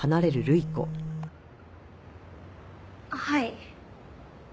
はい？